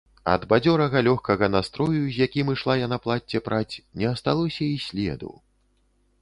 Ад бадзёрага, лёгкага настрою, з якім ішла яна плацце праць, не асталося і следу.